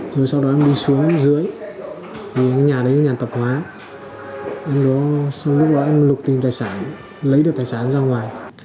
rồi sau đó em đi xuống dưới cái nhà đấy là nhà tập hóa sau lúc đó em lục tìm tài sản lấy được tài sản ra ngoài